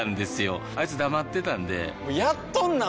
あいつ黙ってたんでやっとんなー！